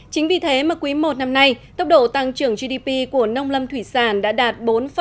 chính vì thế mà quý i năm nay tốc độ tăng trưởng gdp của nông lâm thủy sản đã đạt bốn năm